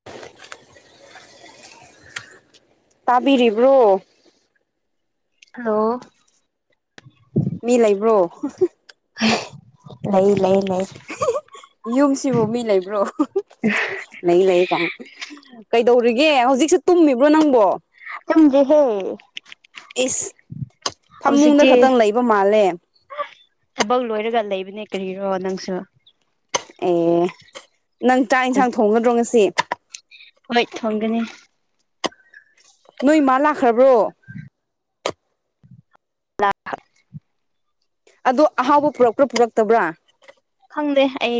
[inaudible] ꯇꯥꯕꯤꯔꯤꯕ꯭ꯔꯣ? Hello ꯃꯤ ꯂꯩꯕ꯭ꯔꯣ? ꯂꯩꯌꯦ ꯂꯩꯌꯦ ꯂꯩꯌꯦ꯫ ꯌꯨꯝꯁꯤꯕꯨ ꯃꯤ ꯂꯩꯕ꯭ꯔꯣ ꯂꯩ ꯂꯩ ꯀꯥꯏ꯫ ꯀꯩꯗꯧꯔꯤꯒꯦ ꯍꯧꯖꯤꯛꯁꯦ ꯇꯨꯝꯃꯤꯕ꯭ꯔꯣ ꯅꯪꯕꯣ꯫ ꯇꯨꯝꯗꯔꯤ ꯍꯦ꯫ ꯏꯁ ꯐꯃꯨꯡꯗ ꯈꯛꯇꯪ ꯂꯩꯕ ꯃꯥꯜꯂꯦ꯫ ꯊꯕꯛ ꯂꯣꯏꯔꯒ ꯂꯩꯕꯅꯦ ꯀꯔꯤꯔꯣ ꯅꯪꯁꯨ꯫ ꯑꯦ ꯅꯪ ꯆꯥꯛ ꯌꯦꯟꯁꯥꯡ ꯊꯣꯡꯒꯗ꯭ꯔꯣ ꯉꯁꯤ꯫ ꯍꯣꯏ ꯊꯣꯡꯒꯅꯤ꯫ ꯅꯣꯏꯃꯥ ꯂꯥꯛꯈ꯭ꯔꯕ꯭ꯔꯣ? ꯎꯝ ꯂꯛ ꯍ ꯑꯗꯣ ꯑꯍꯥꯎꯕ ꯄꯨꯔꯛꯄ꯭ꯔꯥ ꯄꯨꯔꯛꯇꯕ꯭ꯔꯥ? ꯈꯪꯗꯦ ꯑꯩ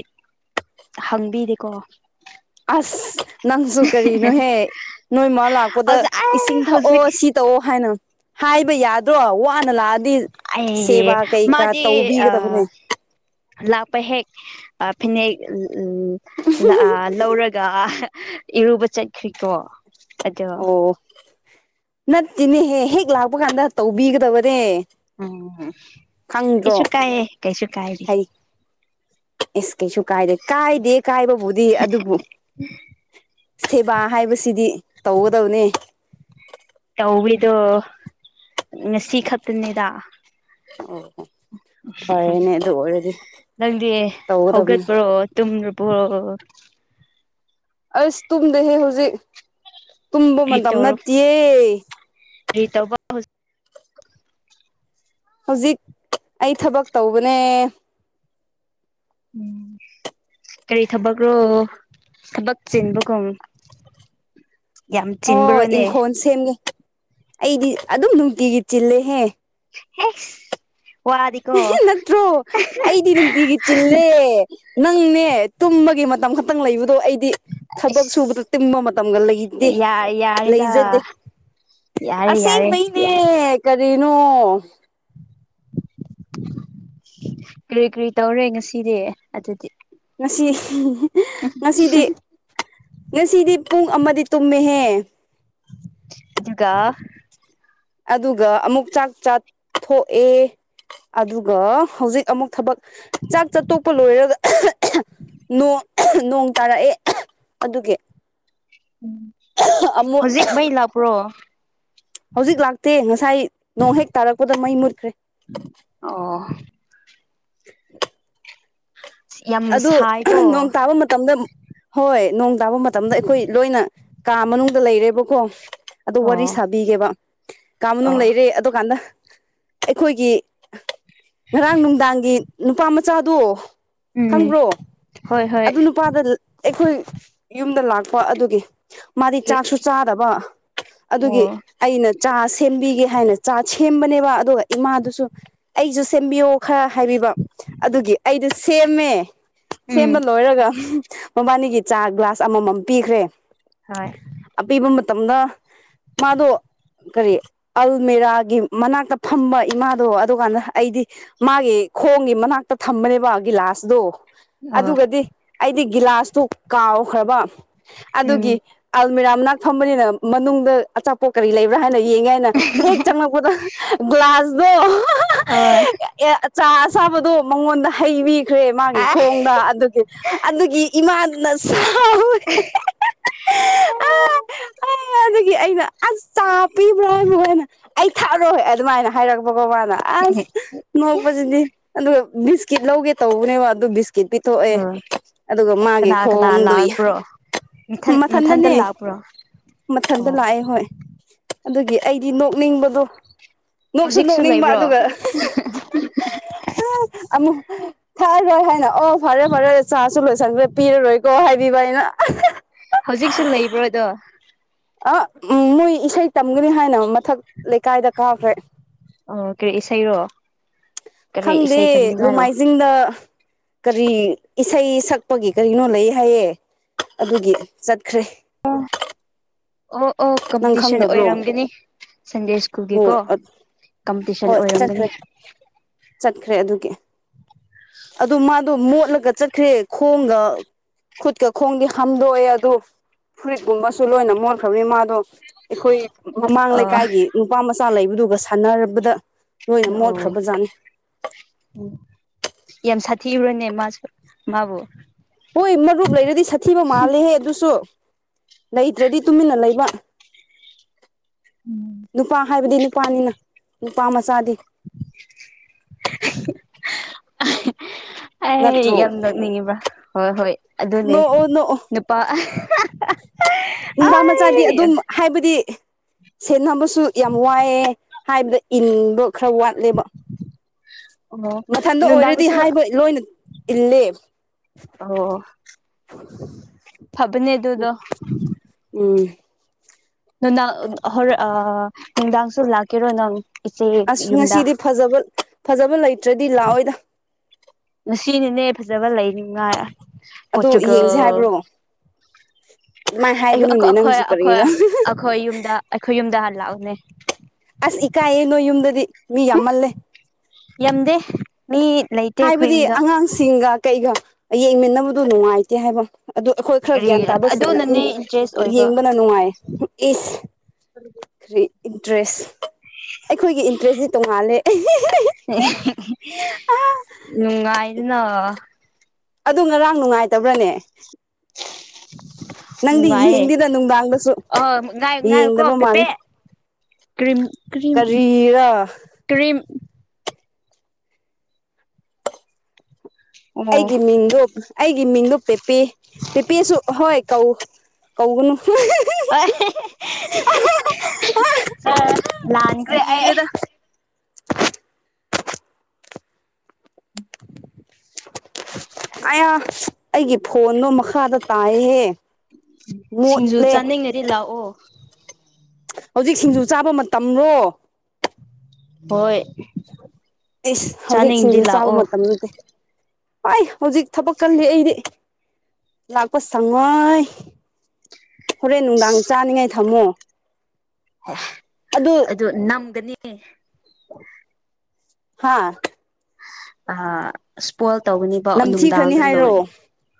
ꯍꯪꯕꯤꯗꯦꯀꯣ꯫ ꯑꯁ ꯅꯪꯁꯨ ꯀꯔꯤꯅꯣꯍꯦ ꯅꯣꯏ ꯃꯥ ꯂꯥꯛꯄꯗ ꯍꯧꯖꯤꯛ ꯏꯁꯤꯡ ꯑꯩ ꯊꯛꯑꯣ ꯍꯧꯖꯤꯛ ꯁꯤ ꯇꯧꯑꯣ ꯍꯥꯏꯅ ꯍꯥꯏꯕ ꯌꯥꯗ ꯅꯠꯇ꯭ꯔꯣ ꯋꯥꯅ ꯂꯥꯛꯑꯗꯤ ꯁꯦꯕꯥ ꯑꯩ ꯀꯩꯀꯥ ꯃꯥꯗꯤ ꯑ ꯇꯧꯕꯤꯒꯗꯕꯅꯦ꯫ ꯂꯥꯛꯄ ꯍꯦꯛ ꯐꯅꯦꯛ ꯎꯝ ꯑ ꯂꯧꯔꯒ ꯏꯔꯨꯕ ꯆꯠꯈ꯭ꯔꯤꯀꯣ꯫ ꯑꯗꯣ ꯑꯣ ꯅꯠꯇꯤꯅꯦꯍꯦ ꯍꯦꯛ ꯂꯥꯛꯄ ꯀꯥꯟꯗ ꯇꯧꯕꯤꯒꯗꯕꯅꯦ꯫ ꯎꯝ ꯈꯪꯗ꯭ꯔꯣ ꯏꯁꯨꯨ ꯀꯥꯏ ꯀꯩꯁꯨ ꯀꯥꯏꯗꯦ꯫ ꯍꯩ ꯑꯦꯁ ꯀꯩꯁꯨ ꯀꯥꯏꯗꯦ ꯀꯥꯏꯗꯦ ꯀꯥꯏꯕꯕꯨꯗꯤ ꯑꯗꯨꯕꯨ ꯁꯦꯕꯥ ꯍꯥꯏꯕꯁꯤꯗꯤ ꯇꯧꯒꯗꯧꯅꯦ꯫ ꯇꯧꯋꯤꯗꯣ ꯉꯁꯤꯈꯠꯇꯅꯤꯗ꯫ ꯐꯔꯦꯅꯦ ꯑꯗꯨ ꯑꯣꯏꯔꯗꯤ ꯅꯪꯗꯤ ꯇꯧꯒꯗꯕꯅꯤ ꯍꯧꯒꯠꯄ꯭ꯔꯣ? ꯇꯨꯝꯔꯕꯣ ꯑꯁ ꯇꯨꯝꯗꯦꯍꯦ ꯍꯧꯖꯤꯛ ꯇꯨꯝꯕ ꯀꯔꯤ ꯃꯇꯝ ꯇꯧꯔ ꯅꯠꯇꯦꯌꯦ꯫ ꯀꯔꯤ ꯇꯧꯕ꯫ ꯍꯧꯖꯤꯛ ꯑꯩ ꯊꯕꯛ ꯇꯧꯕꯅꯦ꯫ ꯎꯝ ꯀꯔꯤ ꯊꯕꯛꯔꯣ ꯊꯕꯛ ꯆꯤꯟꯕꯒꯨꯝ꯫ ꯌꯥꯝ ꯍꯣꯏ ꯆꯤꯟꯕ꯭ꯔꯣꯅꯦ ꯏꯪꯈꯣꯜ ꯁꯦꯝꯒꯦ ꯑꯩꯗꯤ ꯑꯗꯨꯝ ꯅꯨꯡꯇꯤꯒꯤ ꯆꯤꯜꯂꯦꯍꯦ꯫ ꯑꯥꯁ ꯑꯦ ꯅꯠꯇ꯭ꯔꯣ ꯑꯩꯗꯤ ꯅꯨꯡꯇꯤꯒꯤ ꯆꯤꯜꯂꯦ꯫ ꯅꯪꯅꯦ ꯇꯨꯝꯕꯒꯤ ꯃꯇꯝ ꯈꯛꯇꯪ ꯂꯩꯕꯗꯣ ꯑꯩ꯫ ꯗꯤ ꯊꯕꯛ ꯁꯨꯕꯗ ꯑꯁ ꯇꯤꯟꯕ ꯃꯇꯝꯒ ꯂꯩꯇꯦ ꯌꯥ ꯂꯩꯖꯗꯦ꯫ ꯌꯥꯔꯦꯗ ꯌꯥꯔꯦ ꯌꯥꯔꯦ꯫ ꯑꯦ ꯀꯔꯤꯅꯣ? ꯀꯔꯤ ꯀꯔꯤ ꯇꯧꯔꯦ ꯉꯁꯤꯗꯤ ꯑꯗꯨꯗꯤ ꯉꯁꯤ ꯉꯁꯤꯗꯤ ꯉꯁꯤꯗꯤ ꯄꯨꯡ ꯑꯃꯗꯤ ꯇꯨꯝꯃꯦꯍꯦ ꯑꯗꯨꯒ ꯑꯗꯨꯒ ꯑꯃꯨꯛ ꯆꯥꯛ ꯆꯥꯊꯣꯛꯑꯦ ꯑꯗꯨꯒ ꯍꯧꯖꯤꯛ ꯑꯃꯨꯛ ꯊꯕꯛ ꯆꯥꯛ ꯆꯥ ꯇꯣꯛꯄ ꯂꯣꯏꯔꯒ ꯅꯣꯡ ꯇꯥꯔꯛꯑꯦ ꯑꯗꯨꯒꯤ ꯎꯝ ꯑꯃꯨꯛ ꯍꯧꯖꯤꯛ ꯃꯩ ꯂꯥꯛꯄ꯭ꯔꯣ ꯍꯧꯖꯤꯛ ꯂꯥꯛꯇꯦ ꯉꯁꯥꯏ ꯅꯣꯡ ꯍꯦꯛ ꯇꯥꯔꯛꯄꯗ ꯃꯩ ꯃꯨꯠꯈ꯭ꯔꯦ ꯑꯣ ꯌꯥꯝ ꯑꯗꯨ ꯅꯣꯡ ꯁꯥꯏꯀꯣ ꯇꯥꯕ ꯃꯇꯝꯗ ꯍꯣꯏ ꯅꯣꯡ ꯇꯥꯕ ꯃꯇꯝꯗ ꯑꯩꯈꯣꯏ ꯂꯣꯏꯅ ꯀꯥ ꯃꯅꯨꯡꯗ ꯂꯩꯔꯦꯕꯀꯣ ꯑꯗꯨ ꯋꯥꯔꯤ ꯑꯣ ꯁꯥꯕꯤꯒꯦꯕ ꯀꯥ ꯃꯅꯨꯡ ꯑꯣ ꯂꯩꯔꯦ ꯑꯗꯨꯀꯥꯟꯗ ꯑꯩꯈꯣꯏꯒꯤ ꯉꯔꯥꯡ ꯅꯨꯡꯗꯥꯡꯒꯤ ꯅꯨꯄꯥ ꯃꯆꯥꯗꯣ ꯎꯝ ꯈꯪꯕ꯭ꯔꯣ ꯍꯣꯏ ꯍꯣꯏ ꯑꯗꯨ ꯅꯨꯄꯥꯗ ꯑꯩꯈꯣꯏ ꯌꯨꯝꯗ ꯂꯥꯛꯄ ꯑꯗꯨꯒꯤ ꯃꯥꯗꯤ ꯆꯥꯛꯁꯨ ꯆꯥꯗꯕ ꯑꯗꯨꯒꯤ ꯑꯣ ꯑꯩꯅ ꯆꯥ ꯁꯦꯝꯕꯤꯒꯦ ꯍꯥꯏꯅ ꯆꯥ ꯁꯦꯝꯕꯅꯦꯕ ꯑꯗꯨꯒ ꯏꯃꯥꯗꯨꯁꯨ ꯑꯩꯁꯨ ꯁꯦꯝꯕꯤꯌꯣ ꯈꯔ ꯍꯥꯏꯕꯤꯕ ꯑꯗꯨꯒꯤ ꯑꯩꯗꯣ ꯁꯦꯝꯃꯦ ꯎꯝ ꯁꯦꯝꯕ ꯂꯣꯏꯔꯒ ꯃꯕꯥꯅꯤꯒꯤ ꯆꯥ ꯒ꯭ꯂꯥꯁ ꯑꯃꯃꯝ ꯄꯤꯈ꯭ꯔꯦ ꯍꯣꯏ ꯑꯄꯤꯕ ꯃꯇꯝꯗ ꯃꯥꯗꯣ ꯀꯔꯤ ꯑꯜꯃꯤꯔꯥꯒꯤ ꯃꯅꯥꯛꯇ ꯐꯝꯕ ꯏꯃꯥꯗꯣ ꯑꯗꯨꯀꯥꯟꯗ ꯑꯩꯗꯤ ꯃꯥꯒꯤ ꯈꯣꯡꯒꯤ ꯃꯅꯥꯛꯇ ꯊꯝꯕꯅꯦꯕ ꯒꯤꯂꯥꯁꯇꯣ ꯑꯣ ꯑꯗꯨꯒꯗꯤ ꯑꯩꯗꯤ ꯒꯤꯂꯥꯁꯇꯣ ꯀꯥꯎꯈ꯭ꯔꯕ ꯎꯝ ꯑꯗꯨꯒꯤ ꯑꯜꯃꯤꯔꯥ ꯃꯅꯥꯛ ꯐꯝꯕꯅꯤꯅ ꯃꯅꯨꯡꯗ ꯑꯆꯥꯄꯣꯠ ꯀꯔꯤ ꯂꯩꯕ꯭ꯔꯥ ꯍꯥꯏꯅ ꯌꯦꯡꯒꯦ ꯍꯥꯏꯅ ꯍꯦꯛ ꯆꯪꯉꯛꯄꯗ ꯒ꯭ꯂꯥꯁꯇꯣ ꯑꯣꯏ ꯆꯥ ꯑꯁꯥꯕꯗꯣ ꯃꯉꯣꯟꯗ ꯍꯩꯕꯤꯈ꯭ꯔꯦ ꯃꯥꯒꯤ ꯑꯣ ꯈꯣꯡꯗ ꯑꯗꯨꯒꯤ ꯑꯗꯨꯒꯤ ꯏꯃꯥꯟꯅ ꯁꯥꯥꯎꯋꯦ ꯑꯦ ꯑꯗꯨꯗꯒꯤ ꯑꯩꯅ ꯑꯁ ꯆꯥ ꯄꯤꯕ꯭ꯔꯣ ꯍꯥꯏꯕꯣ ꯍꯥꯏꯅ ꯑꯩ ꯊꯛꯑꯔꯣꯏ ꯑꯗꯨꯃꯥꯏꯅ ꯍꯥꯏꯔꯛꯄꯀꯣ ꯃꯥꯅ ꯑꯁ ꯅꯣꯛꯄꯁꯤꯗꯤ ꯑꯗꯨꯒ ꯕꯤꯁꯀꯤꯠ ꯂꯧꯒꯦ ꯇꯧꯕꯅꯦꯕ ꯑꯗꯨ ꯕꯤꯁ ꯀꯤꯠ ꯄꯤꯊꯣꯛꯑꯦ ꯑꯗꯨꯒ ꯃꯥꯒꯤ ꯀꯅꯥ ꯀꯅꯥ ꯈꯣꯡꯗꯣ ꯂꯥꯛꯄ꯭ꯔꯣ ꯃꯊꯟ ꯃꯊꯟꯇ ꯃꯊꯟꯗꯅꯦ ꯂꯥꯛꯄ꯭ꯔꯣ ꯃꯊꯟꯗ ꯑꯣ ꯂꯥꯛꯑꯦ ꯍꯣꯏ ꯑꯗꯨꯒꯤ ꯑꯩꯗꯤ ꯅꯣꯛꯅꯤꯡꯕꯗꯣ ꯅꯣꯛꯁꯨ ꯍꯧꯖꯤꯛꯁꯨ ꯅꯣꯛꯅꯤꯡꯕ ꯂꯩꯕ꯭ꯔꯣ ꯑꯗꯨꯒ ꯑꯃꯨꯛ ꯊꯛꯑꯒ ꯍꯥꯏ ꯑꯩꯅ ꯑꯣ ꯐꯔꯦ ꯐꯔꯦ ꯆꯥꯁꯨ ꯂꯣꯏꯁꯟꯕ ꯄꯤꯔꯔꯣꯏꯀꯣ ꯍꯥꯏꯕꯤꯕ ꯑꯩꯅ ꯍꯧꯖꯤꯛꯁꯨ ꯂꯩꯕ꯭ꯔꯣꯗꯣ ꯑ ꯎ ꯃꯣꯏ ꯏꯁꯩ ꯇꯝꯒꯅꯤ ꯍꯥꯏꯅ ꯃꯊꯛ ꯂꯩꯀꯥꯏꯗ ꯀꯥꯈ꯭ꯔꯦ ꯑꯣ ꯀꯩ ꯏꯁꯩꯔꯣ ꯀꯔꯤ ꯈꯪꯗꯦ ꯏꯁꯩ ꯇꯝꯅꯤꯡꯉꯥꯏꯔꯣ ꯂꯣꯡꯃꯥꯏꯖꯤꯡꯗ ꯀꯔꯤ ꯏꯁꯩ ꯁꯛꯄꯒꯤ ꯀꯔꯤꯅꯣ ꯂꯩ ꯍꯥꯏꯌꯦ ꯑꯗꯨꯒꯤ ꯆꯠꯈ꯭ꯔꯦ ꯑ ꯑꯣ ꯑꯣ ꯅꯪ ꯀꯝꯄꯤꯇꯤꯁꯟ ꯈꯪꯗꯕ꯭ꯔꯣ ꯑꯣꯏꯔꯝꯒꯅꯤ ꯁꯟꯗꯦ ꯍꯣꯏ ꯁ꯭ꯀꯨꯜꯒꯤꯀꯣ ꯀꯝꯄꯤꯇꯤꯁꯟ ꯍꯣꯏ ꯑꯣꯏꯔꯝꯒꯅꯤ ꯆꯠꯈ꯭ꯔꯦ ꯆꯠꯈ꯭ꯔꯦ ꯑꯗꯨꯒꯤ ꯑꯗꯨ ꯃꯥ ꯑꯗꯨ ꯃꯣꯠꯂꯒ ꯆꯠꯈ꯭ꯔꯦ ꯈꯣꯡꯒ ꯈꯨꯠꯀ ꯈꯣꯡꯗꯤ ꯍꯥꯝꯗꯣꯛꯑꯦ ꯑꯗꯨ ꯐꯨꯔꯤꯠꯀꯨꯝꯕꯁꯨ ꯂꯣꯏꯅ ꯃꯣꯠꯈ꯭ꯔꯕꯅꯦ ꯃꯥꯗꯣ ꯑꯩꯈꯣꯏ ꯃꯃꯥꯡ ꯑ ꯂꯩꯀꯥꯏꯒꯤ ꯅꯨꯄꯥ ꯃꯆꯥ ꯂꯩꯕꯗꯨꯒ ꯁꯥꯟꯅꯔꯕꯗ ꯂꯣꯏꯅ ꯃꯣꯠꯈ꯭ꯔꯕ ꯖꯠꯅꯤ ꯎꯝ ꯌꯥꯝ ꯁꯥꯊꯤꯕ꯭ꯔꯥꯅꯦ ꯃꯥꯁꯨ ꯃꯥꯕꯨ ꯍꯣꯏ ꯃꯔꯨꯞ ꯂꯩꯔꯗꯤ ꯁꯥꯊꯤꯕ ꯃꯥꯜꯂꯦꯍꯦ ꯑꯗꯨꯁꯨ ꯂꯩꯇ꯭ꯔꯗꯤ ꯇꯨꯃꯤꯟꯅ ꯂꯩꯕ ꯎꯝ ꯅꯨꯄꯥ ꯍꯥꯏꯕꯗꯤ ꯅꯨꯄꯥꯅꯤꯅ ꯅꯨꯄꯥ ꯃꯆꯥꯗꯤ [unintelligible] ꯑꯩ ꯅꯠꯇ꯭ꯔꯣ ꯌꯥꯝ ꯅꯣꯛꯅꯤꯡꯉꯦꯕꯥ ꯍꯣꯏ ꯍꯣꯏ ꯑꯗꯨꯅꯦ ꯅꯣꯛꯑꯣ ꯅꯣꯛꯑꯣ ꯅꯨꯄꯥ ꯅꯨꯄꯥ ꯃꯆꯥꯗꯤ ꯑꯩ ꯑꯗꯨꯝ ꯍꯥꯏꯕꯗꯤ ꯁꯦꯅꯕꯁꯨ ꯌꯥꯝ ꯋꯥꯏꯌꯦ ꯍꯥꯏꯕꯗ ꯏꯟ ꯕꯗꯨ ꯈꯔ ꯋꯥꯠꯂꯦꯕ ꯑꯣ ꯃꯊꯟꯗ ꯑꯣꯏꯔꯗꯤ ꯅꯨꯡꯗꯥꯡꯗꯁꯨ ꯍꯥꯏꯕ ꯂꯣꯏꯅ ꯏꯜꯂꯦ ꯑꯣ ꯐꯥꯕꯅꯦ ꯑꯗꯨꯗꯣ ꯎꯝ ꯅꯨꯡꯗꯥꯡ ꯍꯣꯔꯦꯟ ꯑꯥ ꯅꯨꯡꯗꯥꯡꯁꯨ ꯂꯥꯛꯀꯦꯔꯣ ꯅꯪ ꯏꯆꯦ ꯑꯁ ꯌꯨꯝꯗ ꯉꯁꯤꯗꯤ ꯐꯥꯖꯕ ꯐꯥꯖꯕ ꯂꯩꯇ꯭ꯔꯗꯤ ꯂꯥꯛꯑꯣꯏꯗ ꯉꯁꯤꯅꯤꯅꯦ ꯐꯥꯖꯕ ꯂꯩꯅꯤꯉꯥꯏ ꯑꯗꯣ ꯌꯦꯡꯁꯦ ꯄꯣꯇꯨꯒꯜ ꯍꯥꯏꯕ꯭ꯔꯣ ꯑꯗꯨꯃꯥꯏꯅ ꯑꯩ ꯍꯥꯏꯒꯅꯨꯅꯦ ꯑꯈꯣꯏ ꯅꯪꯁꯨ ꯑꯈꯣꯏ ꯀꯔꯤꯔ ꯑꯩꯈꯣꯏ ꯌꯨꯝꯗ ꯑꯩꯈꯣꯏ ꯌꯨꯝꯗ ꯍꯥꯟꯂꯥꯛꯎꯅꯦ ꯑꯁ ꯏꯀꯥꯏꯌꯦ ꯅꯣꯏ ꯌꯨꯝꯗꯗꯤ ꯃꯤ ꯌꯥꯝꯃꯜꯂꯦ ꯌꯥꯝꯗꯦ ꯃꯤ ꯂꯩ ꯍꯥꯏꯕꯗꯤ ꯑꯉꯥꯡꯁꯤꯡꯒ ꯀꯩꯒ ꯌꯦꯡꯃꯤꯟꯅꯕꯗꯣ ꯅꯨꯡꯉꯥꯏꯇꯦ ꯍꯥꯏꯕ ꯑꯗꯨ ꯑꯩꯈꯣꯏ ꯈꯔ ꯒ꯭ꯌꯥꯟ ꯀꯔꯤꯒꯤ ꯇꯥꯕꯁꯤꯅ ꯑꯗꯨꯝ ꯑꯗꯨꯅꯅꯦ ꯏꯟꯇꯔꯦꯁ ꯑꯣꯏꯕ ꯌꯦꯡꯕꯅ ꯅꯨꯡꯉꯥꯏ ꯏꯁ ꯈꯔꯤ ꯏꯟꯇꯔꯦꯁ ꯑꯩꯈꯣꯏꯒꯤ ꯏꯟꯇꯔꯦꯁꯇꯤ ꯇꯣꯡꯉꯥꯜꯂꯦ ꯅꯨꯡꯉꯥꯏꯗꯅ ꯑꯗꯨ ꯉꯔꯥꯡ ꯅꯨꯡꯉꯥꯏꯇꯕ꯭ꯔꯥꯅꯦ ꯅꯪꯗꯤ ꯅꯨꯡꯉꯥꯌꯦ ꯌꯦꯡꯗꯦꯗ ꯅꯨꯡꯗꯥꯡꯗꯁꯨ ꯑꯥ ꯉꯥꯏ ꯉꯥꯏꯌꯣꯀꯣ ꯌꯦꯡꯗꯕ ꯄꯦꯄꯦ ꯃꯥꯜꯂꯦ ꯀ꯭ꯔꯤꯝ ꯀ꯭ꯔꯤꯝ ꯀꯔꯤꯔ ꯀ꯭ꯔꯤꯝ [inaudible] ꯑꯩꯒꯤ ꯃꯤꯡꯗꯣ ꯑꯩꯒꯤ ꯃꯤꯡꯗꯣ ꯄꯦꯄꯦ ꯄꯦꯄꯦꯁꯨ ꯍꯣꯏ ꯀꯧ ꯀꯧꯒꯅꯨ ꯍꯥ ꯂꯥꯟꯈ꯭ꯔꯦ ꯑꯩ ꯁꯤꯔꯦꯗ [inaudible] ꯑꯌꯥ ꯑꯩꯒꯤ ꯐꯣꯟꯗꯣ ꯃꯈꯥꯗ ꯇꯥꯏꯍꯦ ꯁꯤꯡꯖꯨ ꯃꯣꯠꯂꯦ ꯆꯥꯅꯤꯡꯉꯗꯤ ꯂꯥꯛꯑꯣ ꯍꯧꯖꯤꯛ ꯁꯤꯡꯖꯨ ꯆꯥꯕ ꯃꯇꯝꯔꯣ ꯍꯣꯏ ꯏꯁ ꯍꯧꯖꯤꯛ ꯆꯥꯅꯤꯡꯗꯤ ꯁꯤꯡꯖꯨ ꯆꯥꯕ ꯂꯥꯛꯑꯣ ꯃꯇꯝ ꯅꯠꯇꯦ ꯑꯥꯏ ꯍꯧꯖꯤꯛ ꯊꯥꯕꯛ ꯀꯜꯂꯤ ꯑꯩꯗꯤ ꯂꯥꯛꯄ ꯁꯪꯉꯣꯏ ꯍꯣꯔꯦꯟ ꯅꯨꯡꯗꯥꯡ ꯆꯥꯅꯤꯡꯉꯥꯏ ꯊꯝꯃꯣ ꯑꯁ ꯑꯗꯨ ꯅꯝꯒꯅꯤ ꯍꯥꯥ ꯑꯥ ꯏꯁꯄꯣꯏꯜ ꯇꯧꯒꯅꯤꯕ ꯅꯝꯊꯤꯈ꯭ꯔꯅꯤ ꯅꯨꯡꯗꯥꯡꯗ ꯍꯥꯏꯔꯣ ꯂꯧꯔꯗꯤ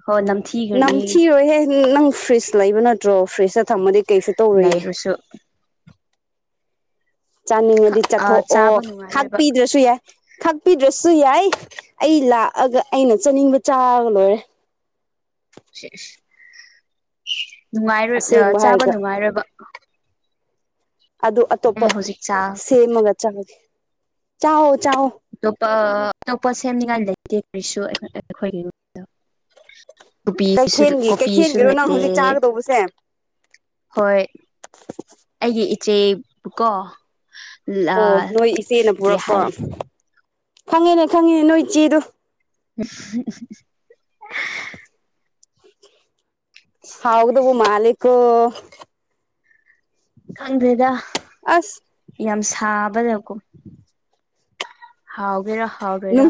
ꯍꯣꯏ ꯅꯝꯊꯤꯈ꯭ꯔꯅꯤ ꯅꯝꯊꯤꯔꯣꯏꯍꯦ ꯅꯪ ꯐ꯭ꯔꯤꯁ ꯂꯩꯕ ꯅꯠꯇ꯭ꯔꯣ ꯐ꯭ꯔꯤꯁꯇ ꯊꯝꯃꯗꯤ ꯀꯩꯁꯨ ꯇꯧꯔꯣꯏꯌꯦ ꯂꯩꯔꯁꯨ ꯆꯥꯅꯤꯡꯉꯗꯤ ꯑ ꯆꯠꯊꯣꯛꯑꯣ ꯆꯥꯕ ꯅꯨꯡꯉꯥꯏꯔꯣꯏꯕ ꯈꯥꯛꯄꯤꯗ꯭ꯔꯁꯨ ꯌꯥꯏ ꯈꯥꯛꯄꯤꯗ꯭ꯔꯁꯨ ꯌꯥꯏ ꯑꯩ ꯂꯥꯛꯑꯒ ꯑꯩꯅ ꯆꯥꯅꯤꯡꯕ ꯆꯥꯔꯒ ꯂꯣꯏꯔꯦ ꯁꯤꯁ ꯅꯨꯡꯉꯥꯏꯔꯣꯏ ꯑꯥ ꯑꯁꯦꯡꯕ ꯆꯥꯕ ꯍꯥꯏꯔꯒ ꯅꯨꯡꯉꯥꯏꯔꯣꯏꯕ ꯑꯗꯨ ꯑꯇꯣꯞꯄ ꯑꯩ ꯍꯧꯖꯤꯛ ꯆꯥ ꯁꯦꯝꯃꯒ ꯆꯥꯒꯦ ꯆꯥꯎ ꯆꯥꯎ ꯑꯇꯣꯞꯄ ꯑꯇꯣꯞꯄ ꯁꯦꯝꯅꯤꯉꯥꯏ ꯂꯩꯇꯦ ꯀꯩꯁꯨ ꯑꯩꯈꯣꯏꯒꯤ ꯀꯣꯞꯕꯤ ꯀꯩꯊꯦꯜꯒꯤ ꯀꯣꯞꯕꯤꯁꯨ ꯀꯩꯊꯦꯜꯒꯤꯔꯣ ꯅꯪ ꯂꯩꯇꯦ ꯍꯧꯖꯤꯛ ꯆꯥꯒꯗꯧꯕꯁꯦ ꯍꯣꯏ ꯑꯩꯒꯤ ꯏꯆꯦꯄꯨꯀꯣ ꯑꯣ ꯅꯣꯏ ꯏꯆꯦꯅ ꯀꯔꯤ ꯄꯨꯔꯛꯄ ꯍꯥꯏ ꯈꯪꯉꯤꯗ ꯈꯪꯉꯤꯅꯦ ꯅꯣꯏ ꯏꯆꯦꯗꯣ [unintelligible] [unintelligible] ꯍꯥꯎꯒꯗꯧꯕ ꯃꯥꯜꯂꯦꯀꯣ ꯈꯪꯗ꯭ꯔꯦꯗ ꯑꯁ ꯌꯥꯝ ꯁꯥꯕꯗꯀꯣ ꯍꯥꯎꯒꯦꯔꯥ ꯅꯨꯡ ꯍꯥꯎꯔꯣꯏꯔꯥ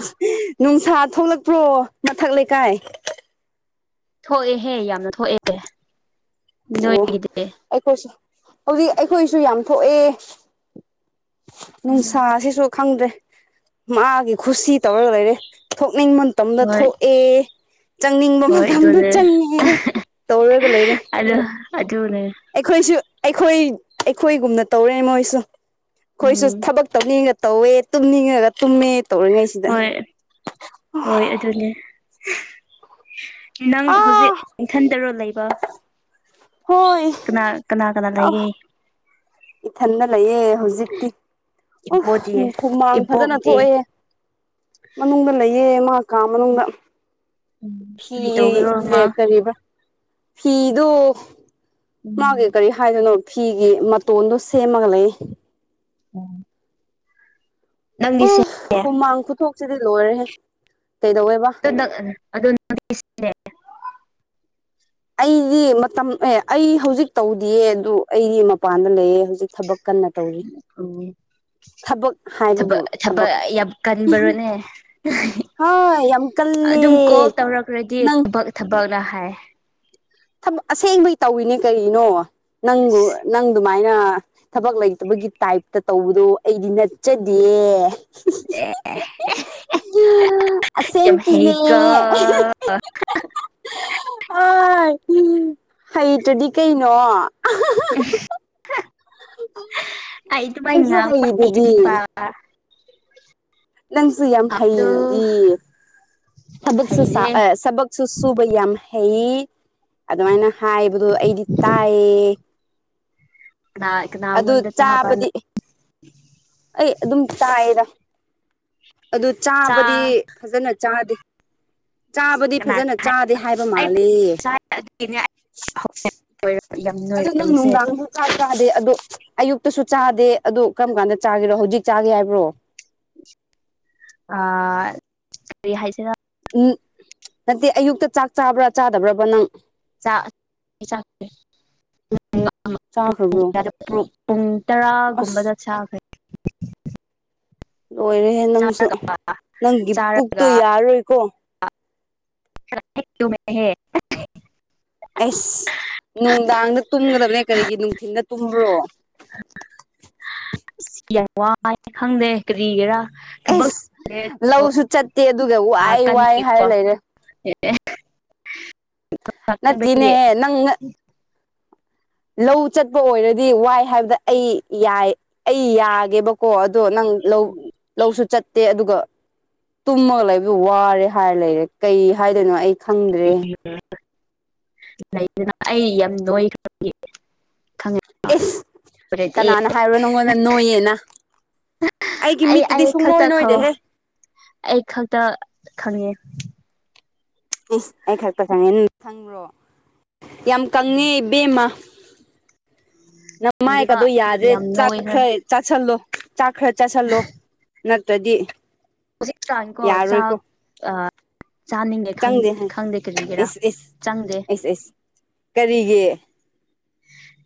ꯅꯨꯡꯁꯥ ꯊꯣꯛꯂꯛꯄ꯭ꯔꯣ ꯃꯊꯛ ꯂꯩꯀꯥꯏ ꯊꯣꯛꯑꯦꯍꯦ ꯌꯥꯝꯅ ꯊꯣꯛꯑꯦ ꯑꯣ ꯅꯣꯏꯒꯤꯗꯤ ꯑꯈꯣꯏꯁꯨ ꯍꯩꯖꯤꯛ ꯑꯩꯈꯣꯏꯁꯨ ꯌꯥꯝ ꯊꯣꯛꯑꯦ ꯅꯨꯡꯁꯥꯁꯤꯁꯨ ꯈꯪꯗ꯭ꯔꯦ ꯃꯥꯒꯤ ꯀꯨꯁꯤ ꯇꯧꯔꯒ ꯂꯩꯔꯦ ꯊꯣꯛꯅꯤꯡꯕ ꯃꯇꯝꯗ ꯍꯣꯏ ꯊꯣꯛꯑꯦ ꯆꯪꯅꯤꯡꯕ ꯍꯣꯏ ꯃꯇꯝꯗ ꯑꯗꯨꯅꯦ ꯆꯪꯉꯦ ꯇꯧꯔꯒ ꯂꯩꯔꯦ [unintelligible] ꯑꯗꯨꯅꯦ ꯑꯩꯈꯣꯏꯁꯨ ꯑꯩꯈꯣꯏ ꯑꯩꯈꯣꯏꯒꯨꯝꯅ ꯇꯧꯔꯦꯅꯦ ꯃꯣꯏꯁꯨ ꯑꯩꯈꯣꯏꯁꯨ ꯎꯝ ꯊꯥꯕꯛ ꯇꯧꯅꯤꯡꯉꯒ ꯇꯧꯋꯦ ꯇꯨꯝꯅꯤꯡꯉꯒ ꯇꯨꯝꯃꯦ ꯇꯧꯔꯤꯉꯩꯁꯤꯗ ꯍꯣꯏ ꯍꯣꯏ ꯑꯗꯨꯅꯦ ꯅꯪ ꯍꯧꯖꯤꯛ ꯑꯥ ꯏꯊꯟꯇꯔꯣ ꯂꯩꯕ ꯍꯣꯏ ꯀꯅꯥ ꯀꯅꯥ ꯀꯅꯥ ꯂꯩꯒꯦ ꯏꯊꯟꯗ ꯂꯩꯌꯦ ꯍꯧꯖꯤꯛꯇꯤ ꯑꯣꯞ ꯏꯕꯣꯗꯤ ꯍꯨꯃꯥꯡ ꯐꯥꯖꯅ ꯏꯕꯣꯛꯇꯤ ꯊꯣꯛꯑꯦꯍꯦ ꯃꯅꯨꯡꯗ ꯂꯩꯌꯦ ꯃꯥ ꯀꯥ ꯃꯅꯨꯡꯗ ꯐꯤ ꯀꯔꯤ ꯇꯧꯕꯤꯔꯣ ꯑꯦ ꯃꯥ ꯀꯔꯤꯕ ꯐꯤꯗꯨ [inaudible] ꯃꯥꯒꯤ ꯀꯔꯤ ꯍꯥꯏꯗꯣꯅꯣ ꯐꯤꯒꯤ ꯃꯇꯣꯟꯗꯣ ꯁꯦꯝꯃꯒ ꯂꯩꯌꯦ [inaudible] ꯅꯪꯗꯤ ꯑꯣ ꯁꯦꯝ ꯍꯨꯃꯥꯡ ꯈꯨꯊꯣꯛꯁꯤꯗꯤ ꯂꯣꯏꯔꯦꯍꯦ ꯀꯩꯗꯧꯋꯦꯕꯥ [unintelligible] ꯑꯩꯒꯤ ꯃꯇꯝ ꯑꯦ ꯑꯩ ꯍꯧꯖꯤꯛ ꯇꯧꯗꯦꯌꯦ ꯑꯗꯨ ꯑꯩꯗꯤ ꯃꯄꯥꯟꯗ ꯂꯩꯌꯦ ꯍꯧꯖꯤꯛ ꯊꯥꯕꯛ [inaudible] ꯊꯕꯛ ꯍꯥꯏꯕꯕꯨ ꯊꯕꯛ ꯊꯕꯛ ꯌꯥꯝ ꯀꯟꯕ꯭ꯔꯣꯅꯦ ꯍꯥ ꯌꯥꯝ ꯀꯜꯂꯦ ꯑꯗꯨꯝ ꯀꯣꯜ ꯇꯧꯔꯛꯔꯗꯤ ꯅꯪ ꯊꯕꯛ ꯊꯕꯛꯗ ꯍꯥꯏ ꯊꯕꯛ ꯑꯁꯦꯡꯕꯩ ꯇꯧꯏꯔꯤꯅꯤ ꯀꯔꯤꯅꯣ ꯑꯁ ꯅꯪꯕꯨ ꯅꯪ ꯗꯨꯃꯥꯏꯅ ꯊꯕꯛ ꯂꯩꯇꯕꯒꯤ ꯇꯥꯏꯞꯇ ꯇꯧꯕꯗꯣ ꯑꯩꯗꯤ ꯅꯠꯆꯗꯦ ꯌꯥꯝ ꯑꯁꯦꯡꯀꯤꯅꯦ ꯍꯩꯀꯣ ꯑꯣꯏ ꯍꯩꯇꯔ꯭ ꯗꯤ ꯀꯩꯅꯣ ꯑꯩ ꯑꯗꯨꯃꯥꯏ ꯅꯪꯁꯨ ꯉꯥꯡꯕ ꯍꯩꯗꯨꯗꯤ [unintelligible] ꯅꯪꯁꯨ ꯌꯥꯝ ꯑꯗꯣ ꯍꯩꯔꯤꯗꯨꯗꯤ ꯊꯕꯛꯁꯨ ꯁꯥ ꯍꯩꯔꯦ ꯑꯦ ꯁꯕꯛ ꯁꯨ ꯁꯨꯕ ꯌꯥꯝ ꯍꯩ ꯑꯗꯨꯃꯥꯏꯅ ꯍꯥꯏꯕꯗꯣ ꯑꯩꯗꯤ ꯇꯥꯏꯌꯦ ꯀꯅꯥ ꯑꯗꯨ ꯀꯅꯥꯉꯣꯟꯗ ꯇꯕ ꯆꯥꯕꯗꯤ ꯑꯩ ꯑꯗꯨꯝ ꯇꯥꯌꯦꯗ ꯑꯗꯨ ꯅꯆꯥ ꯆꯥꯕꯗꯤ ꯐꯖꯅ ꯆꯥꯗꯦ ꯆꯥꯕꯗꯤ ꯀꯅꯥ ꯐꯖꯅ ꯆꯥꯗꯦ ꯍꯥꯏꯕ ꯑꯩ ꯃꯥꯂꯦꯌꯦ [unintelligible] [unintelligible] ꯑꯗꯨ ꯅꯪ ꯅꯣꯏꯔꯝꯃꯤꯁꯦ ꯅꯨꯡꯗꯥꯡꯁꯨ ꯑꯗꯣ ꯑꯌꯨꯛꯇꯁꯨ ꯆꯥꯗꯦ ꯑꯗꯣ ꯀꯔꯝ ꯀꯥꯟꯗ ꯆꯥꯒꯦꯔꯣ ꯍꯧꯖꯤꯛ ꯆꯥꯒꯦ ꯍꯥꯏꯕ꯭ꯔꯣ ꯑꯥ ꯀꯔꯤ ꯍꯥꯏꯁꯤꯔ ꯎꯝ ꯅꯠꯇꯦ ꯑꯌꯨꯛꯇ ꯆꯥꯛ ꯆꯥꯕ꯭ꯔꯥ ꯆꯥꯗꯕ꯭ꯔꯕ ꯅꯪ ꯆꯥꯈ꯭ꯔꯕ꯭ꯔꯣ ꯦ [unintelligible] ꯄꯨꯡ ꯑꯁ ꯇꯔꯥꯒꯨꯝꯕꯗ ꯆꯥ ꯂꯣꯏꯔꯦꯍꯦ ꯅꯪꯁꯨ ꯆꯥꯔꯒ ꯅꯪꯒꯤ ꯄꯨꯛꯇꯣ ꯆꯥꯔꯒ ꯌꯥꯔꯔꯣꯏꯀꯣ [unintelligible] ꯑꯁ ꯅꯨꯡꯗꯥꯡꯗ ꯇꯨꯝꯒꯗꯕꯅꯦ ꯀꯔꯤꯒꯤ ꯅꯨꯡꯊꯤꯟꯗ ꯇꯨꯝꯕ꯭ꯔꯣ ꯏꯁ ꯌꯥꯝ ꯋꯥꯏ ꯈꯪꯗꯦ ꯀꯔꯤꯒꯤꯔꯥ ꯊꯕꯛ ꯑꯁ ꯂꯧꯁꯨ ꯆꯠꯇꯦ ꯑꯗꯨꯒ ꯋꯥꯏ ꯋꯥꯏ ꯍꯥꯏꯔ ꯂꯩꯔꯦ ꯑꯦ ꯅꯠꯇꯦꯅꯦꯍꯦ ꯅꯪꯅ ꯂꯧ ꯆꯠꯄ ꯑꯣꯏꯔꯗꯤ ꯋꯥꯏ ꯍꯥꯏꯕꯗ ꯑꯩ ꯌꯥꯏ ꯑꯩ ꯌꯥꯒꯦꯕ ꯀꯣ ꯑꯗꯣ ꯅꯪ ꯂꯧ ꯂꯧꯁꯨ ꯆꯠꯇꯦ ꯑꯗꯨꯒ ꯇꯨꯝꯃꯒ ꯂꯩꯕ ꯋꯥꯔꯦ ꯍꯥꯏꯔ ꯂꯩꯔꯦ ꯀꯩ ꯍꯥꯏꯗꯣꯏꯅꯣ ꯑꯩ ꯈꯪꯗ꯭ꯔꯦ ꯑꯩ ꯌꯥꯝ ꯅꯣꯏꯈꯔ ꯏꯁ ꯀꯅꯥꯅ ꯍꯥꯏꯔꯣ ꯅꯪꯉꯣꯟꯗ ꯅꯣꯏꯌꯦꯅ ꯑꯩꯒꯤ ꯑꯩ ꯑꯩ ꯃꯤꯠꯇꯗꯤ ꯈꯛꯇ ꯁꯨꯡꯅꯣꯏ ꯈꯪꯉꯣ ꯅꯣꯏꯗꯦꯍꯦ ꯑꯩ ꯈꯛꯇ ꯈꯪꯉꯦ ꯏꯁ ꯑꯩ ꯈꯛꯇ ꯈꯪꯉꯦ [unintelligible] ꯌꯥꯝ ꯀꯪꯉꯦ ꯏꯕꯦꯝꯃ ꯅꯃꯥꯏ ꯈꯪꯗꯦꯕ ꯀꯗꯣ ꯌꯥꯗ꯭ꯔꯦ ꯌꯥꯝ ꯅꯣꯏꯈ꯭ꯔꯦ ꯆꯥꯛꯈ꯭ꯔꯦ ꯆꯥꯁꯟꯂꯣ ꯆꯥꯛ ꯈꯔ ꯆꯥꯁꯟꯂꯣ ꯅꯠꯇ꯭ꯔꯗꯤ ꯍꯧꯖꯤꯛꯀꯥꯟꯀꯣ ꯆꯥꯛ ꯌꯥꯔꯣꯏꯀꯣ ꯑꯥ ꯆꯥꯅꯤꯡꯉꯦ ꯆꯪꯗꯦ ꯈꯗ ꯍꯥꯏ ꯈꯪꯗꯦ ꯀꯔꯤꯒꯤꯔꯥ ꯏꯁ ꯆꯪꯗꯦ ꯏꯁ ꯀꯔꯤꯒꯤ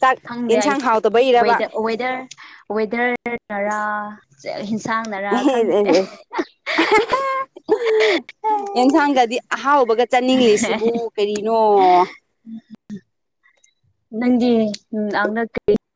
ꯆꯥꯛ ꯈꯪꯗꯦ ꯑꯩ ꯏꯟꯁꯥꯡ ꯍꯥꯎꯇꯕꯏꯔꯕ ꯋꯦꯗꯔ ꯋꯦꯗꯔꯅꯔꯥ ꯍꯤꯟꯁꯥꯡꯅꯔꯥ ꯈꯪꯗꯦ [unintelligible] ꯏꯦꯟꯁꯥꯡꯒꯗꯤ ꯑꯍꯥꯎꯕꯒ ꯆꯅꯤꯡꯂꯤꯁꯤꯕꯨ ꯀꯔꯤꯅꯣ ꯅꯪꯒꯤ [unintelligible] ꯀꯩ